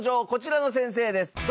こちらの先生です。